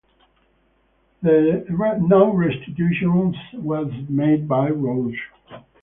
No restitutions was made by Roach.